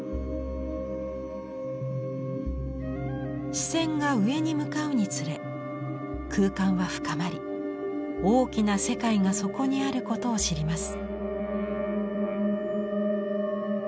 視線が上に向かうにつれ空間は深まり大きな世界がそこにあることを知ります。